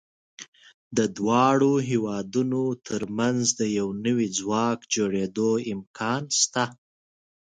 د دواړو هېوادونو تر منځ د یو نوي ځواک جوړېدو امکان شته.